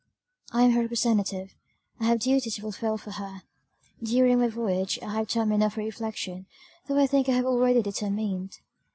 "I am her representative, I have duties to fulfil for her: during my voyage I have time enough for reflection; though I think I have already determined."